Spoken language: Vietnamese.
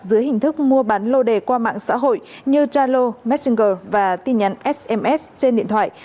dưới hình thức mua bán lô đề qua mạng xã hội như zalo messenger và tin nhắn sms trên điện thoại